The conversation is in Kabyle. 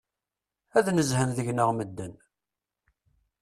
Ad d-nezhen deg-neɣ medden!